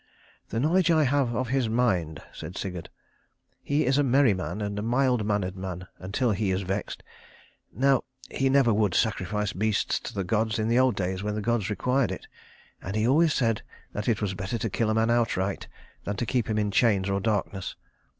"The knowledge I have of his mind," said Sigurd. "He is a merry man and a mild mannered man until he is vexed. Now, he never would sacrifice beasts to the gods in the old days when the gods required it. And he always said that it was better to kill a man outright than to keep him in chains or darkness.